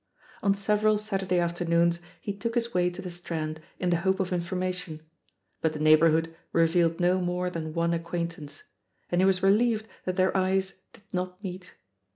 On several Saturday afternoons he took his way to the Strand in the hope of information, but the neighbourhood revealed no more than one ac quaintance — ^and he was relieved that their eyes did not meet.